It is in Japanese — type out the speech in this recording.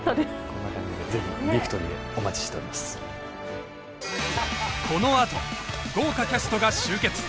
こんな感じでこのあと豪華キャストが集結